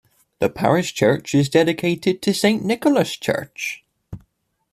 The parish church is dedicated to Saint Nicholas Church.